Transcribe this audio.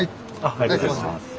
ありがとうございます。